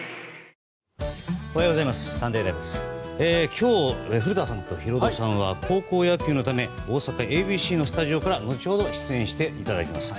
今日、古田さんとヒロドさんは高校野球のため大阪ＡＢＣのスタジオから後ほど出演していただきます。